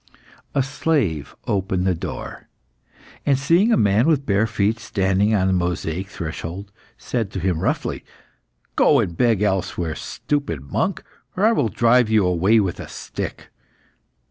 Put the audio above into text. A slave opened the door, and seeing a man with bare feet standing on the mosaic threshold, said to him roughly "Go and beg elsewhere, stupid monk, or I will drive you away with a stick."